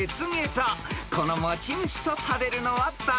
［この持ち主とされるのは誰でしょう？］